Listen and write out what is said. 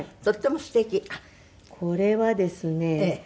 これはですね